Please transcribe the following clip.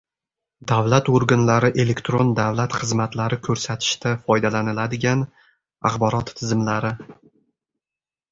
davlat organlari elektron davlat xizmatlari ko‘rsatishda foydalaniladigan axborot tizimlari